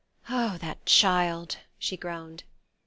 "Oh, that child!" she groaned.